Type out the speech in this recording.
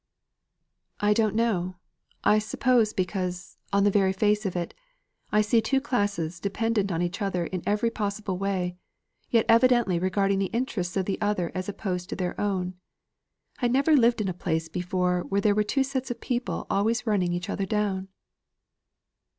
"I don't know I suppose because, on the very face of it, I see two classes dependent on each other in every possible way, yet each evidently regarding the interests of the other as opposed to their own: I never lived in a place before where there were two sets of people always running each other down."